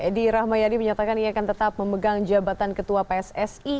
edi rahmayadi menyatakan ia akan tetap memegang jabatan ketua pssi